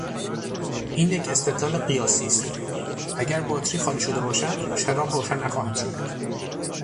این یک استدلال قیاسی است: اگر باطری خالی شده باشد چراغ روشن نخواهد شد.